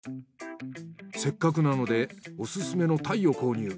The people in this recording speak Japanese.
せっかくなのでオススメのタイを購入。